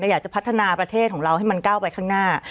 อยากจะพัฒนาประเทศของเราให้มันก้าวไปข้างหน้า